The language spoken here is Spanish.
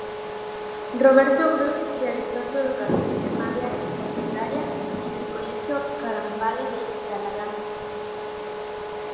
Roberto Bruce realizó su educación primaria y secundaria en el Colegio Carampangue de Talagante.